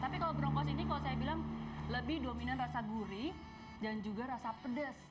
tapi kalau brongkos ini kalau saya bilang lebih dominan rasa gurih dan juga rasa pedas